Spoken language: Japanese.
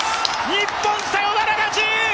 日本、サヨナラ勝ち！！！